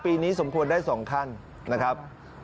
ปีนี้สมควรได้๒ขั้นนะครับ